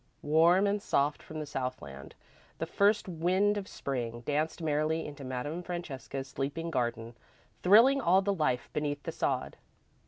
Warm and soft from the Southland, the first wind of Spring danced merrily into Madame Francesca's sleeping garden, thrilling all the life beneath the sod.